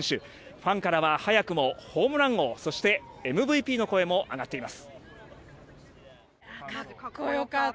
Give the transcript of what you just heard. ファンからは早くもホームラン王そしてＭＶＰの声も上がっています。